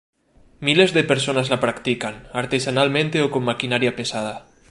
Miles de personas la practican, artesanalmente o con maquinaria pesada.